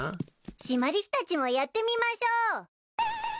シマリスたちもやってみましょう！